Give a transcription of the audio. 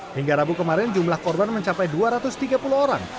hingga rabu kemarin jumlah korban mencapai dua ratus tiga puluh orang